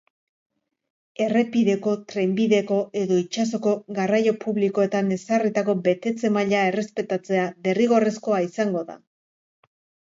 Errepideko, trenbideko edo itsasoko garraio publikoetan ezarritako betetze-maila errespetatzea derrigorrezkoa izango da.